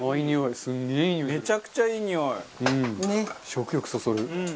食欲そそる。